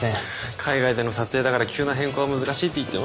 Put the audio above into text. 海外での撮影だから急な変更は難しいって言ってましたよね。